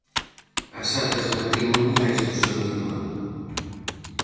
as actas matrimoniais do seu irmán